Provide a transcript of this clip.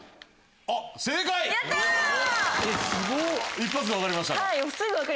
一発で分かりましたか？